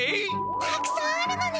たくさんあるのね！